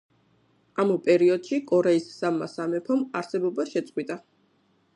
ამ პერიოდში კორეის სამმა სამეფომ არსებობა შეწყვიტა.